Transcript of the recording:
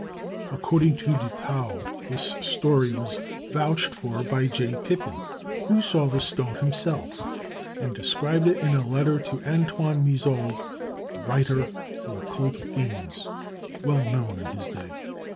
According to De Thou, this story was vouched for by J. Pipin, who saw the stone himself and described it in a letter to Antoine Mizauld, a writer on occult themes, well known in his day.